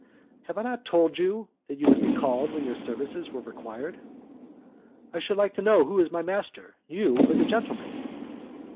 "Have I not told you that you would be called when your services were required?" "I should like to know who is my master, you or the gentleman?"